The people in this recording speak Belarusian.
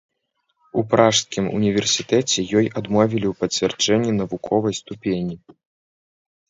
У пражскім універсітэце ёй адмовілі у пацвярджэнні навуковай ступені.